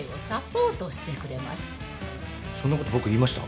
そんなこと僕言いました？